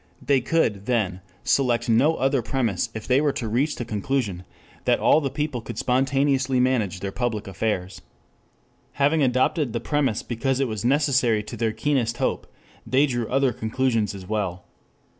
They could, then, select no other premise if they were to reach the conclusion that all the people could spontaneously manage their public affairs. 5 Having adopted the premise because it was necessary to their keenest hope, they drew other conclusions as well.